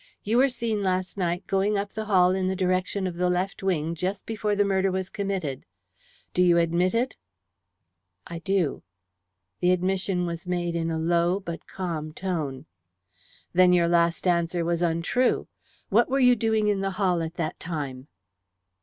You were seen last night going up the hall in the direction of the left wing just before the murder was committed. Do you admit it?" "I do." The admission was made in a low but calm tone. "Then your last answer was untrue. What were you doing in the hall at that time?"